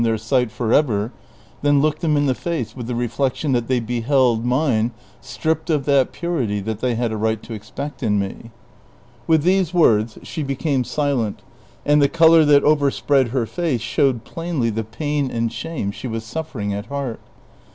237 their sight forever than look them in the face with the reflec tion that they behehl mine stripped of that pnrity that they had a right to expect in me." With these words she became silent, and the color that overspread her face showed plainly the pain and shame she was snffering at heart.